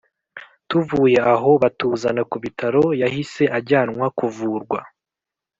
tuvuye aho batuzana kubitaro yahise ajyanwa kuvurwa